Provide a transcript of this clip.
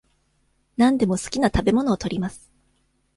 何でも好きな食べ物を取ります。